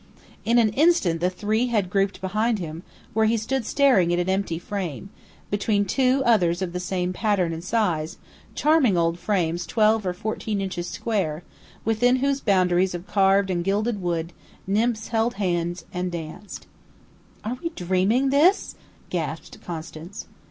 In an instant the three had grouped behind him, where he stood staring at an empty frame, between two others of the same pattern and size, charming old frames twelve or fourteen inches square, within whose boundaries of carved and gilded wood, nymphs held hands and danced. "Are we dreaming this?" gasped Constance.